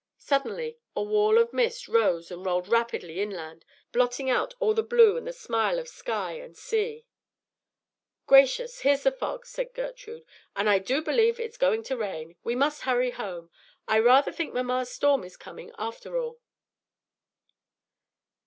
Suddenly a wall of mist rose and rolled rapidly inland, blotting out all the blue and the smile of sky and sea. "Gracious! here's the fog," cried Gertrude, "and I do believe it's going to rain. We must hurry home. I rather think mamma's storm is coming, after all."